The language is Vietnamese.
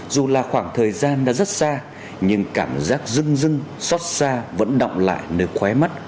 dù là khoảng thời gian đã rất xa nhưng cảm giác rưng dưng xót xa vẫn động lại nơi khóe mắt